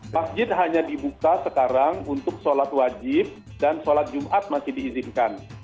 masjid hanya dibuka sekarang untuk sholat wajib dan sholat jumat masih diizinkan